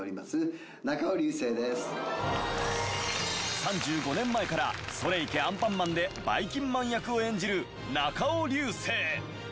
３５年前から『それいけ！アンパンマン』でばいきんまん役を演じる中尾隆聖。